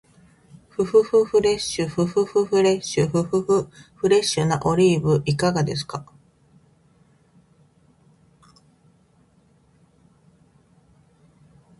ふふふフレッシュ、ふふふフレッシュ、ふふふフレッシュなオリーブいかがですか？